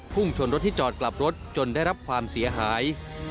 ชนรถที่จอดกลับรถจนได้รับความเสียหาย